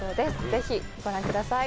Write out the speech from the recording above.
ぜひご覧ください。